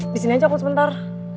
disinian aja aku sebentar